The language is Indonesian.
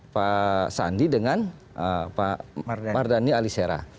pak sandi dengan pak mardhani alisera